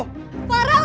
padahal nadif muda